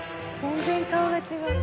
全然顔が違う。